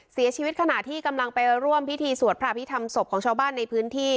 ขณะที่กำลังไปร่วมพิธีสวดพระพิธรรมศพของชาวบ้านในพื้นที่